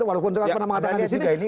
walaupun penamatannya di sini